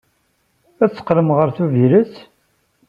I teqqlem ɣer Tubiret?